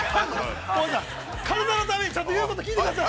◆体のためにちゃんと言うことを聞いてください。